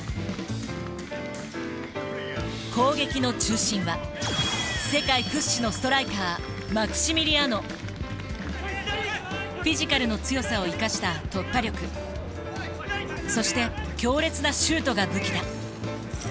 攻撃の中心は世界屈指のストライカーフィジカルの強さを生かした突破力そして強烈なシュートが武器だ。